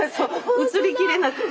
写りきれなくて。